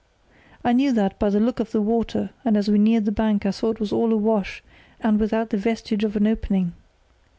I knew that by the look of the water, and as we neared the bank I saw it was all awash and without the vestige of an opening.